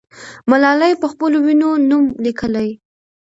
ملالۍ پخپلو وینو نوم لیکي.